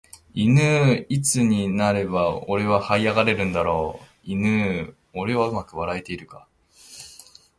いぬーいつになれば俺は這い上がれるだろういぬー俺はうまく笑えているか